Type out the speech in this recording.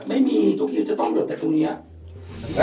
ไม่มีตัวคิวจะต้องหยุดแต่ตรงเนี่ย